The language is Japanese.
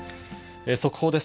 速報です。